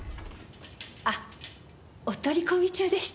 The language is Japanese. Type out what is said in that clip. あお取り込み中でした？